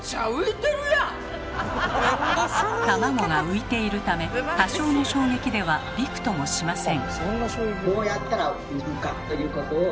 卵が浮いているため多少の衝撃ではビクともしません。